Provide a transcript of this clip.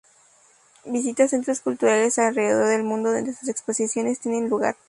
Visita centros culturales alrededor del mundo donde sus exposiciones tienen lugar.